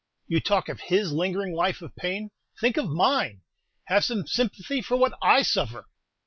"You talk of his lingering life of pain: think of mine; have some sympathy for what I suffer!